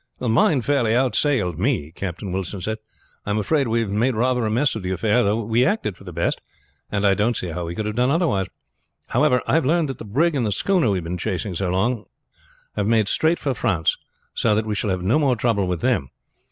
"Mine fairly outsailed me," Captain Wilson said. "I am afraid we have made rather a mess of the affair; though we acted for the best, and I don't see how we could have done otherwise. However. I have learned that the brig and the schooner we have been chasing so long have made straight for France, so that we shall have no more trouble with them.